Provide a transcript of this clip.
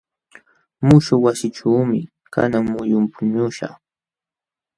Muśhuq wasiićhuumi kanan muyun puñuśhaq.